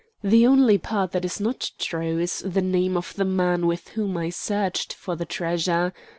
The only part that is not true is the name of the man with whom I searched for the treasure.